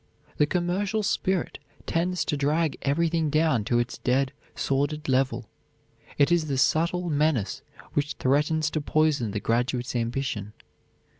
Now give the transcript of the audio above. The commercial spirit tends to drag everything down to its dead, sordid level. It is the subtle menace which threatens to poison the graduate's ambition.